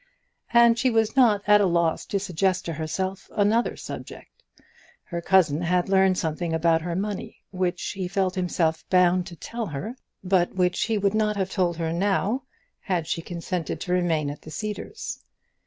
And she was not at a loss to suggest to herself another subject. Her cousin had learned something about her money which he felt himself bound to tell her, but which he would not have told her now had she consented to remain at the Cedars.